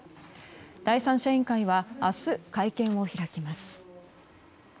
第三者委員会は明日、会見を開きます。